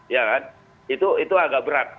ya kan itu agak berat